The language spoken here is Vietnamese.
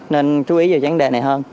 nên chú ý vào vấn đề này hơn